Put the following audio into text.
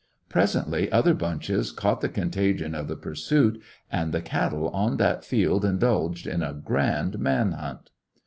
Presently other bunches caught the contagion of the pursuit, and the cattle on that field indulged in a grand man hunt.